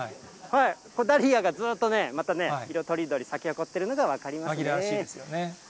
これ、ダリアがずっと、またね、色とりどり、咲き誇っているのが分かりますね。